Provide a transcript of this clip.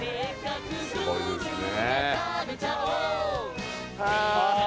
すごいですね